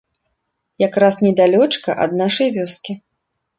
Якраз недалёчка ад нашай вёскі.